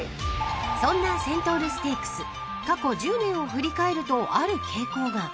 ［そんなセントウルステークス過去１０年を振り返るとある傾向が］